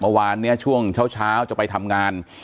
เมื่อวานเนี่ยช่วงเช้าจะไปทำงาน